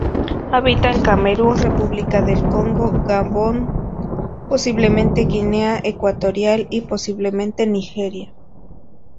Habita en Camerún, República del Congo, Gabón, posiblemente Guinea Ecuatorial y posiblemente Nigeria.